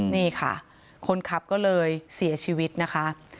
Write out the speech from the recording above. นี่ค่ะคนขับก็เลยเสียชีวิตนะคะ